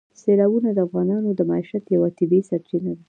سیلابونه د افغانانو د معیشت یوه طبیعي سرچینه ده.